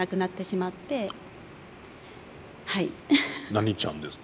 何ちゃんですか？